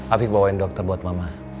afif bawain dokter buat mama